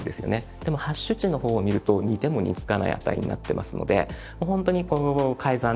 でもハッシュ値の方を見ると似ても似つかない値になってますので本当に改ざんに気付くことができる。